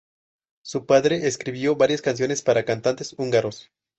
Su padre escribió varias canciones para cantantes húngaros.